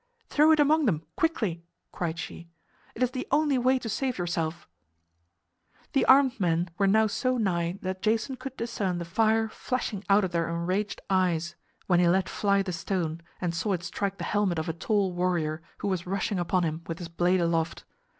"Throw it among them quickly!" cried she. "It is the only way to save yourself." The armed men were now so nigh that Jason could discern the fire flashing out of their enraged eyes, when he let fly the stone and saw it strike the helmet of a tall warrior who was rushing upon him with his blade aloft.